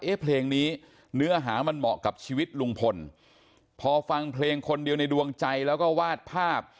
เพลงนี้เนื้อหามันเหมาะกับชีวิตลุงพลพอฟังเพลงคนเดียวในดวงใจแล้วก็วาดภาพ